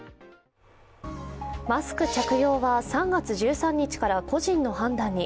マスク着用は３月１３日から個人の判断に。